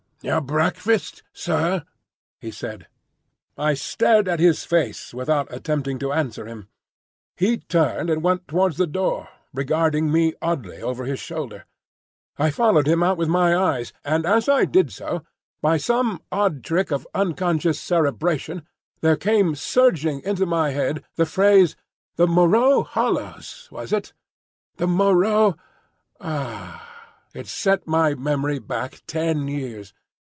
"Your breakfast, sair," he said. I stared at his face without attempting to answer him. He turned and went towards the door, regarding me oddly over his shoulder. I followed him out with my eyes; and as I did so, by some odd trick of unconscious cerebration, there came surging into my head the phrase, "The Moreau Hollows"—was it? "The Moreau—" Ah! It sent my memory back ten years.